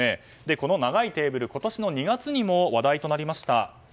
この長いテーブル今年２月にも話題となりました。